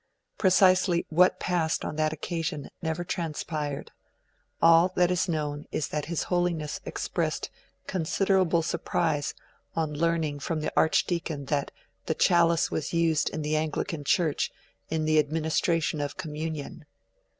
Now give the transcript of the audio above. Precisely what passed on that occasion never transpired; all that is known is that His Holiness expressed considerable surprise on learning from the Archdeacon that the chalice was used in the Anglican Church in the administration of Communion.